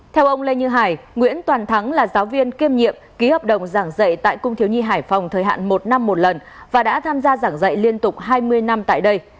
theo ông lê như hải nguyễn toàn thắng là giáo viên kiêm nhiệm ký hợp đồng giảng dạy tại cung thiếu nhi hải phòng thời hạn một năm một lần và đã tham gia giảng dạy liên tục hai mươi năm tại đây